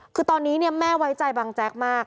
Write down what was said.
คือตอนนี้แม่ไว้ใจบังแจ๊กมาก